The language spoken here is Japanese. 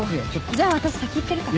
じゃあ私先行ってるから。